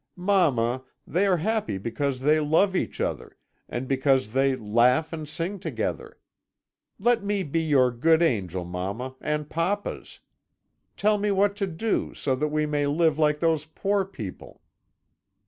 "'Mamma, they are happy because they love each other, and because they laugh and sing together. Let me be your good angel, mamma, and papa's. Tell me what to do, so that we may live like those poor people!'